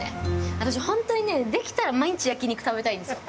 私ほんとはね、できたら毎日焼き肉食べたいんですよ。